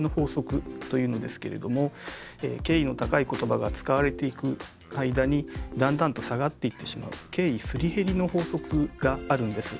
敬意の高い言葉が使われていく間にだんだんと下がっていってしまう「敬意すり減りの法則」があるんです。